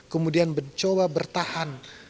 kemudian mencoba bertahan